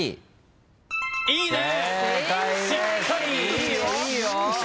いいよ。いいよ。